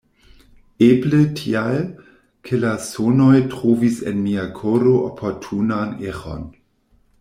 Eble tial, ke la sonoj trovis en mia koro oportunan eĥon.